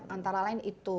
antara lain itu